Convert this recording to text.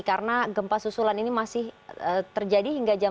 karena gempa susulan ini masih terjadi hingga jam lima